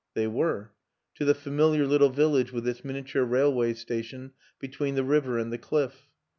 They were to the familiar little village with its miniature railway station between the river and the cliff.